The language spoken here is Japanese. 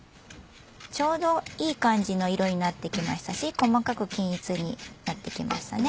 ちょうどいい感じの色になってきましたし細かく均一になってきましたね。